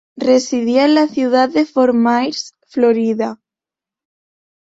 Residía en la ciudad de Fort Myers, Florida.